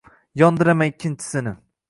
Yondiraman ikkinchisini